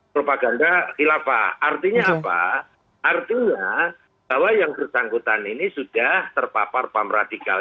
propaganda hilafah artinya apa artinya bahwa yang bersangkutan ini sudah terpapar paham radikal